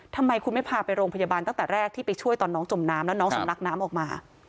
ทำไมคุณไม่พาไปโรงพยาบาลตั้งแต่แรกที่ไปช่วยตอนน้องจมน้ำแล้วน้องสำลักน้ำออกมา